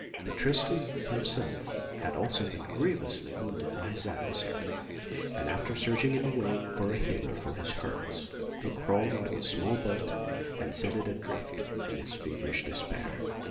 But Tristan, himself, had also been grievously wounded by his adversary; and after searching in vain for a healer for his hurts, he crawled into a small boat and set it adrift in his feverish despair.